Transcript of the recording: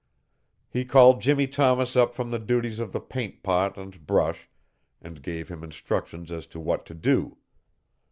He called Jimmie Thomas up from the duties of the paint pot and brush, and gave him instructions as to what to do.